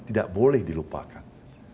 tidak boleh dilupakan